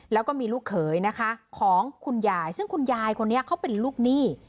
แล้วก็มีลูกเขยนะคะของคุณยายซึ่งคุณยายคนนี้เขาเป็นลูกหนี้